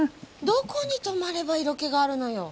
どこに泊まれば色気があるのよ？